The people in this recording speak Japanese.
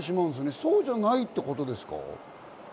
そうじゃないってことですか？